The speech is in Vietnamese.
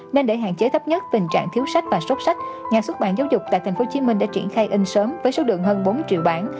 nên để hạn chế thấp nhất tình trạng thiếu sách và sốc sách nhà xuất bản giáo dục tại tp hcm đã triển khai in sớm với số lượng hơn bốn triệu bản